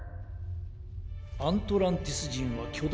アントランティスじんはきょだ